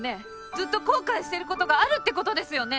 ずっと後悔してることがあるってことですよね？